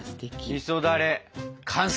みそだれ完成！